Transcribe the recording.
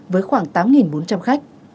với khoảng tám bốn trăm linh khách